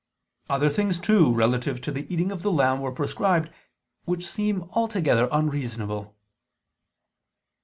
Other things too relative to the eating of the lamb were prescribed, which seem altogether unreasonable.